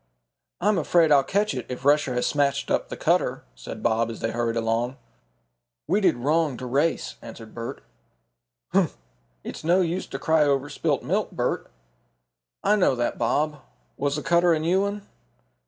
"I'm afraid I'll catch it, if Rusher has smashed up the cutter," said Bob as they hurried along. "We did wrong to race," answered Bert. "Humph! it's no use to cry over spilt milk, Bert." "I know that, Bob. Was the cutter a new one?"